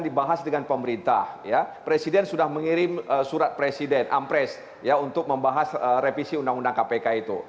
dibahas dengan pemerintah presiden sudah mengirim surat presiden ampres untuk membahas revisi undang undang kpk itu